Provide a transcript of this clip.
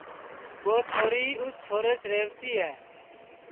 ٻو چھوری اُس چھوریس ریہوَتی ہے